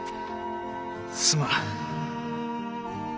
すまん。